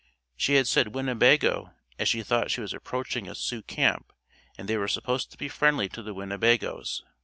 She had said "Winnebago" as she thought she was approaching a Sioux camp and they were supposed to be friendly to the Winnebagoes.